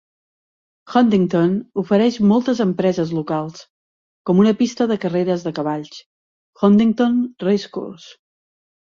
Huntingdon ofereix moltes empreses locals, com una pista de carreres de cavalls, Huntingdon Racecourse.